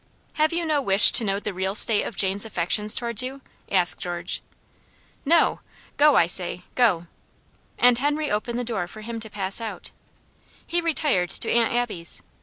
"Have you no wish to know the real state of Jane's affections towards you?" asked George. "No! Go, I say! go!" and Henry opened the door for him to pass out. He retired to Aunt Abby's.